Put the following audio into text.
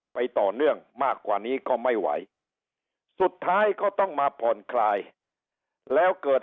ไปต่อเนื่องมากกว่านี้ก็ไม่ไหวสุดท้ายก็ต้องมาผ่อนคลายแล้วเกิด